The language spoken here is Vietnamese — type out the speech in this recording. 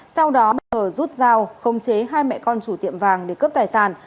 sau đó đối tượng rút dao không chế hai mẹ con chủ tiệm vàng để cướp tài sản